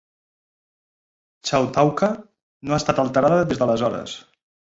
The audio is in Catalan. Chautauqua no ha estat alterada des d'aleshores.